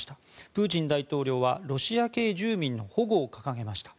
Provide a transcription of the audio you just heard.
プーチン大統領はロシア系住民の保護を掲げました。